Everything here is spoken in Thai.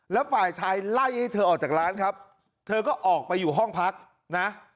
แล้วฝ่ายชายไล่ให้เธอออกจากร้านครับเธอก็ออกไปอยู่ห้องพักนะ